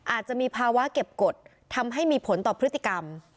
อาจจะมีภาวะเก็บกฎทำให้มีผลต่อพฤติกรรม